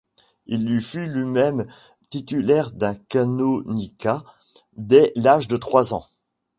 Il y fut lui-même titulaire d'un canonicat dès l'âge de trois ans.